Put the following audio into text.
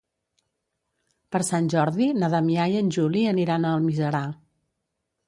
Per Sant Jordi na Damià i en Juli aniran a Almiserà.